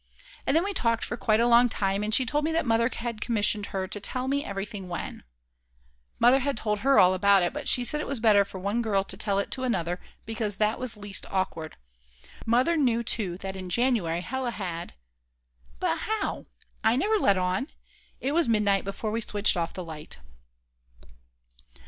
And then we talked for quite a long time, and she told me that Mother had commissioned her to tell me everything when Mother had told her all about it, but she said it was better for one girl to tell it to another, because that was least awkward. Mother knew too that in January Hella had ... But how? I never let on! It was midnight before we switched off the light.